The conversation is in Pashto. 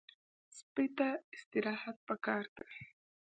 سپي ته استراحت پکار دی.